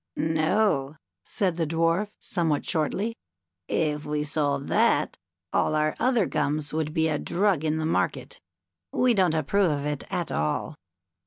"No," said the Dwarf, somewhat shortly; "if we sold that, all our other gums would be a drug in the market. We don't approve of it at all.